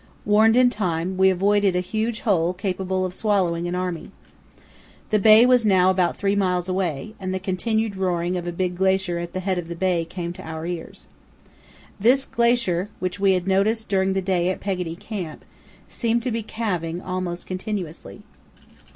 Warned in time, we avoided a huge hole capable of swallowing an army. The bay was now about three miles away, and the continued roaring of a big glacier at the head of the bay came to our ears. This glacier, which we had noticed during the stay at Peggotty Camp, seemed to be calving almost continuously.